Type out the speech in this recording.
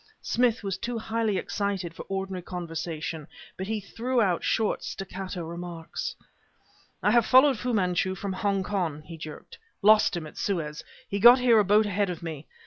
Smith was too highly excited for ordinary conversation, but he threw out short, staccato remarks. "I have followed Fu Manchu from Hongkong," he jerked. "Lost him at Suez. He got here a boat ahead of me.